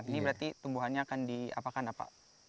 ini berarti tumbuhannya akan diapakan apa